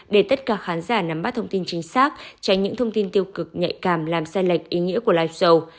để tất cả khán giả nắm bắt thông tin chính xác tránh những thông tin tiêu cực nhạy cảm làm sai lệch ý nghĩa của live show